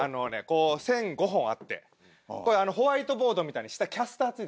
こう線５本あってホワイトボードみたいに下キャスター付いてます。